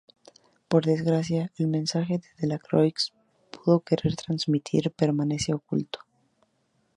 Por desgracia, el mensaje que Delacroix pudo querer transmitir permanece oculto.